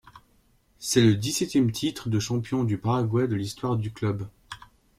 C'est le dix-septième titre de champion du Paraguay de l’histoire du club.